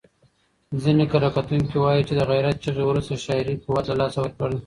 ځینې کره کتونکي وايي چې د غیرت چغې وروسته شاعري قوت له لاسه ورکړ.